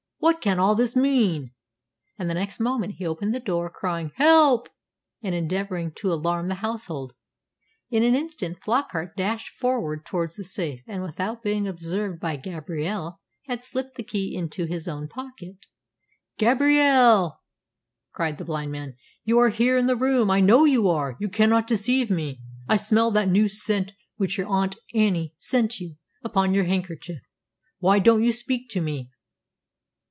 What can all this mean?" And next moment he opened the door, crying, "Help!" and endeavouring to alarm the household. In an instant Flockart dashed forward towards the safe, and, without being observed by Gabrielle, had slipped the key into his own pocket. "Gabrielle," cried the blind man, "you are here in the room. I know you are. You cannot deceive me. I smell that new scent, which your aunt Annie sent you, upon your handkerchief. Why don't you speak to me?"